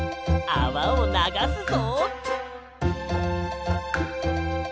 あわをながすぞ。